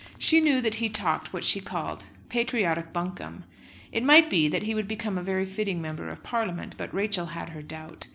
She knew that he talked what she called patriotic buncombe. It might be that he would become a very fitting Member of Parliament, but Rachel had her doubt.